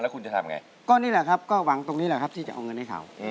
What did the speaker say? คุณจะทำไงก็นี่แหละครับก็หวังตรงนี้แหละครับที่จะเอาเงินให้เขา